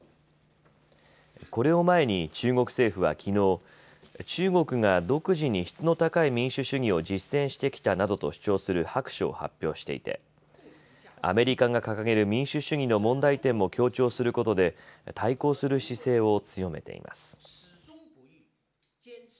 これを前に中国政府はきのう、中国が独自に質の高い民主主義を実践してきたなどと主張する白書を発表していてアメリカが掲げる民主主義の問題点も強調することで対抗する姿勢を強めています。